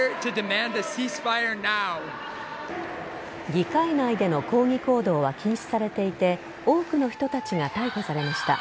議会内での抗議行動は禁止されていて多くの人たちが逮捕されました。